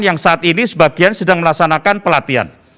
yang saat ini sebagian sedang melaksanakan pelatihan